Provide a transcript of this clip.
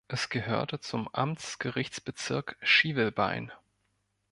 Es gehörte zum Amtsgerichtsbezirk Schivelbein.